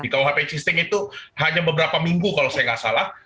di rkuhp existing itu hanya beberapa minggu kalau saya enggak salah